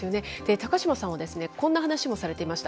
高島さんはこんな話もされていました。